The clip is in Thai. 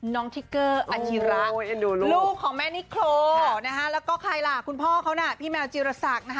น้องทิเกอร์อัจยิระลูกของแม่นิโคแล้วก็ใครล่ะคุณพ่อเขานะพี่แมวจิรษัก